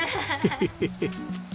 ヘヘヘヘ。